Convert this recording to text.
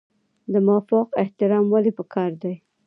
د مافوق احترام ولې پکار دی؟